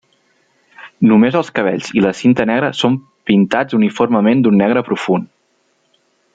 Només els cabells i la cinta negra són pintats uniformement d'un negre profund.